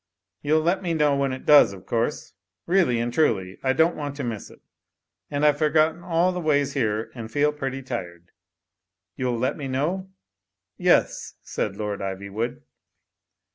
''You'll let me know when it does, of course. Really and truly, I don't want to miss it And I've forgotten all the ways here, and feel pretty tired. You'll let me know?" ''Yes," said Lord Ivywood.